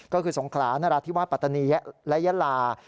ก็คือสงขลานราธิวาสปัตตานีและยะลา